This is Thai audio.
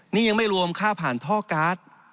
นี่ยังไม่รวมค่าผ่านท่อการ์ด